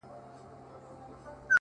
• بې اختیاره له یارانو بېلېده دي ,